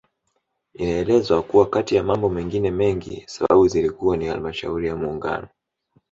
Inaelezwa kuwa kati ya mambo mengine mengi sababu zilikuwa ni Halmashauri ya muungano